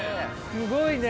◆すごいね。